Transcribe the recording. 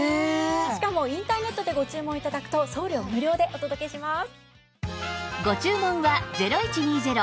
しかもインターネットでご注文頂くと送料無料でお届けします。